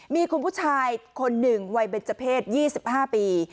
มีคุณผู้ชายคนหนึ่งวัยเบนเจอร์เพศ๒๕ปี